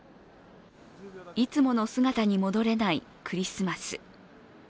いつもの姿に戻れないクリスマス。